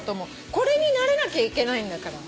これに慣れなきゃいけないんだから。